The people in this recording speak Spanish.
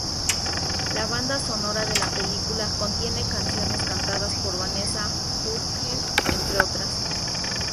La banda sonora de la película contiene canciones cantadas por Vanessa Hudgens entre otras.